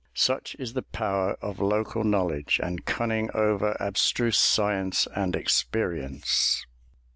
Such is the power of local knowledge and cunning over abstruse science and experience.